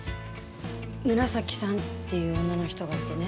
紫さんっていう女の人がいてね。